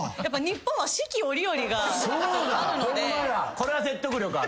これは説得力ある。